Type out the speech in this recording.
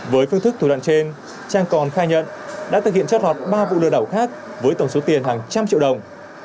với phương thức thủ đoạn trên trang còn khai nhận đã thực hiện chót lọt ba vụ lừa đảo khác với tổng số tiền hàng trăm triệu đồng